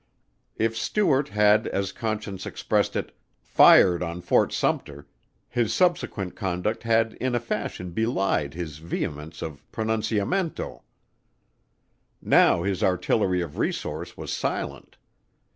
If Stuart had as Conscience expressed it "fired on Fort Sumpter" his subsequent conduct had in a fashion belied his vehemence of pronunciamento. Now his artillery of resource was silent.